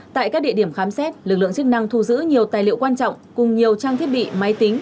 tại các địa điểm khám xét lực lượng chức năng thu giữ nhiều tài liệu quan trọng cùng nhiều trang thiết bị máy tính